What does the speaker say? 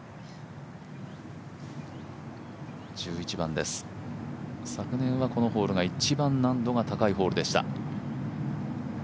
１１番です、昨年はこのホールが一番難度が高いホールでした。